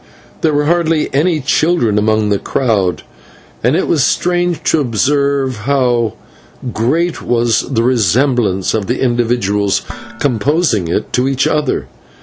There were hardly any children among the crowd, and it was strange to observe how great was the resemblance of the individuals composing it to each other.